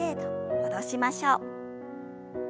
戻しましょう。